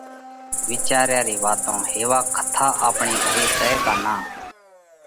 وِيچاريا ري واتون هيوا کٿا آپڻي گھري سئہ ڪا نان؟